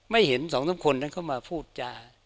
ไม่เห็นสองสามคนนั้นเข้ามาพูดจา